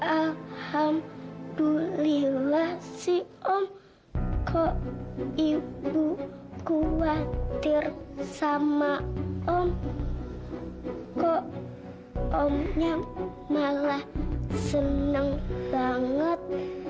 alhamdulillah sih om kok ibu khawatir sama om kok omnya malah senang banget